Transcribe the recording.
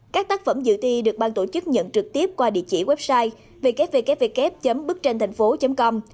các tác phẩm dự thi được ban tổ chức nhận trực tiếp qua địa chỉ website www bucranhth com